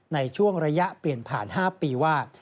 ในช่วงระยะเปลี่ยนผ่าน๕ปีว่า